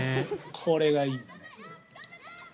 これがいい。